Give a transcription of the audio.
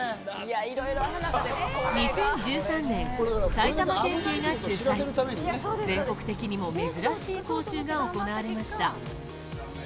２０１３年、埼玉県で全国的に珍しい講習が行われました。